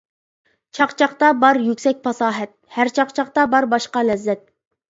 چاقچاقتا بار يۈكسەك پاساھەت، ھەر چاقچاقتا بار باشقا لەززەت.